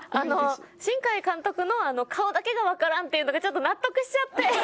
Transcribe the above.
新海監督の「顔だけがわからん」っていうのがちょっと納得しちゃって。